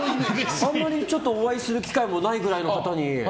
あんまりお会いする機会もないぐらいの方に。